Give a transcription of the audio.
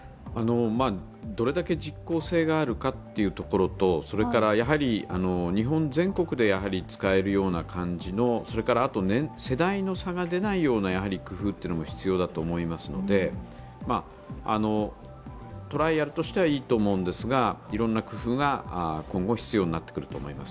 どれだけ実効性があるかというところと、日本全国で使えるような感じの、あと世代の差が出ないような工夫も必要だと思いますのでトライアルとしてはいいと思うんですが、いろんな工夫がこれから必要になってくると思います。